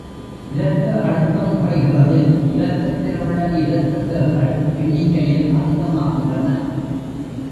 இரத்த அழுத்தம் குறைகிறது இரத்தத்தில் உள்ள இரத்த செல்கள் எண்ணிக்கையில் அதிகமாகின்றன.